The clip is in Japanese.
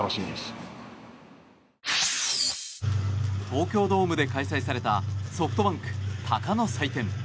東京ドームで開催されたソフトバンク、鷹の祭典。